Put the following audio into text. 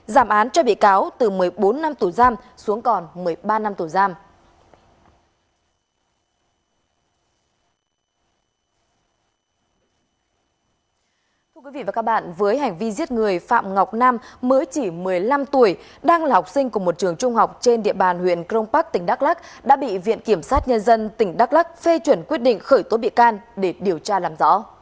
giảm án cho bị cáo từ một mươi bốn năm tù giam xuống còn một mươi ba năm tù giam